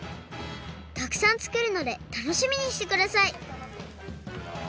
たくさんつくるのでたのしみにしてください。